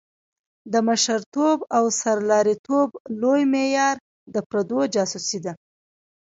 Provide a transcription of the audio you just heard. د مشرتوب او سرلاري توب لوی معیار د پردو جاسوسي ده.